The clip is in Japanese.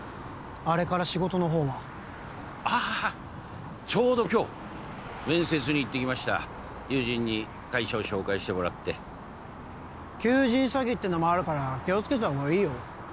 あれから仕事の方はああちょうど今日面接に行ってきました友人に会社を紹介してもらって求人詐欺ってのもあるから気をつけた方がいいよ